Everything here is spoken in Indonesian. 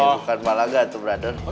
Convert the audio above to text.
bukan balaga itu brother